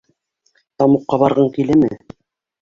Тамуҡҡа барғың киләме?